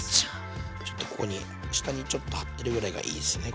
ちょっとここに下にちょっと張ってるぐらいがいいですね。